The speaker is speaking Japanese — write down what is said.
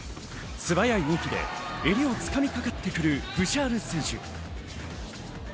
素早い動きで襟を掴みかかってくるブシャール選手。